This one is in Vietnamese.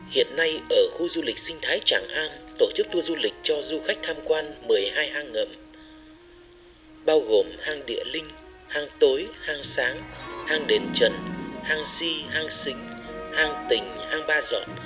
hiện nay ở khu du lịch sinh thái trạng an tổ chức tour du lịch cho du khách tham quan một mươi hai hang ngậm bao gồm hang địa linh hang tối hang sáng hang đến trần hang si hang xình hang tỉnh hang ba dọn